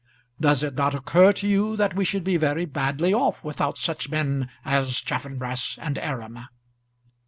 Does it not occur to you that we should be very badly off without such men as Chaffanbrass and Aram?"